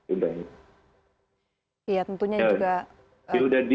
iya tentunya juga